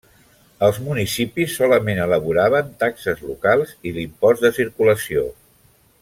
Els municipis solament elaboraven taxes locals i l'Impost de Circulació.